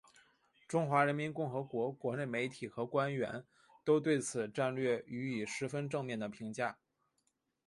中华人民共和国国内媒体和官员都对此战略予以十分正面的评价。